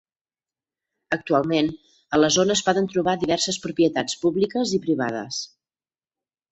Actualment, a la zona es poden trobar diverses propietats públiques i privades.